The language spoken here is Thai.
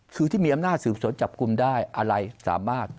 คือที่มีอำนาจสืบสวนจับกลุ่มได้อะไรสามารถ